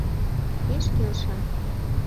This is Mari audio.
Пеш келша...